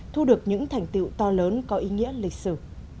thu được những thành tiệu to lớn có ý nghĩa lịch sử